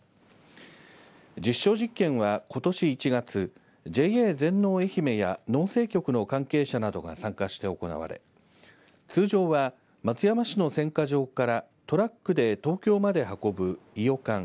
実証実験は、ことし１月ＪＡ全農えひめや農政局の関係者などが参加して行われ通常は松山市の選果場からトラックで東京まで運ぶいよかん